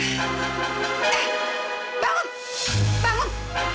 eh bangun bangun